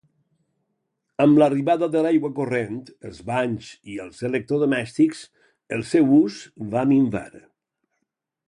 Amb l'arribada de l'aigua corrent, els banys i els electrodomèstics, el seu ús va minvar.